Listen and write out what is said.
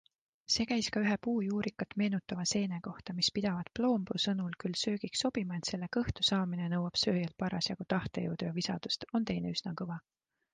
See käis ka ühe puujuurikat meenutava seene kohta, mis pidavat Ploompuu sõnul küll söögiks sobima, ent selle kõhtu saamine nõuab sööjalt parasjagu tahtejõudu ja visadust - on teine üsna kõva.